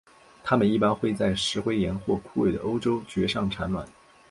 它们一般会在石灰岩或枯萎的欧洲蕨上产卵。